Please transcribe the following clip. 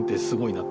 すごい。